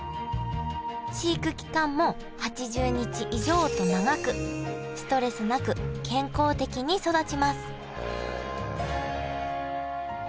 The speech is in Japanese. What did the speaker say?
飼育期間も８０日以上と長くストレスなく健康的に育ちますへえ。